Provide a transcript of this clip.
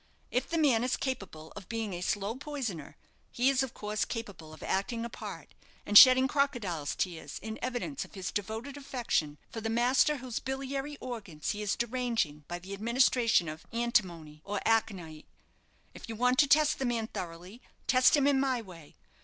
If the man is capable of being a slow poisoner, he is, of course, capable of acting a part, and shedding crocodile's tears in evidence of his devoted affection for the master whose biliary organs he is deranging by the administration of antimony, or aconite. If you want to test the man thoroughly, test him in my way.